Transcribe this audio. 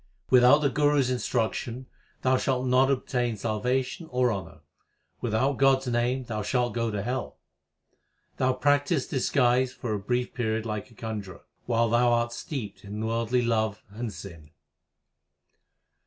Without the Guru s instruction thou shalt not obtain salvation or honour ; without God s name thou shalt go to hell. Thou practisest disguise for a brief period like a conjurer, while thou art steeped in worldly love and sin.